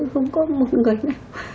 không có một người nào